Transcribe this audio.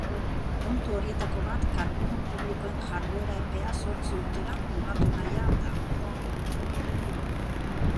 Puntu horietako bat kargudun publikoen jarduera-epea zortzi urtera mugatu nahia da.